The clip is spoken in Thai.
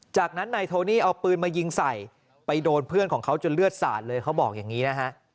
จากนั้นนายโทนี่เอาปืนมายิงใส่ไปโดนเพื่อนของเขาจนเลือดสาดเลยเขาบอกอย่างนี้นะฮะ